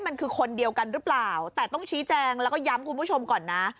มันคือคนเดียวกันหรือเปล่าแต่ต้องชี้แจงแล้วก็ย้ำคุณผู้ชมก่อนนะ